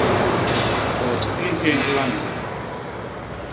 Bot i nhénd lañlañ.